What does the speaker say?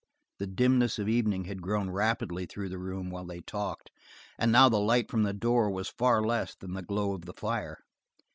The dimness of evening had grown rapidly through the room while they talked and now the light from the door was far less than the glow of the fire.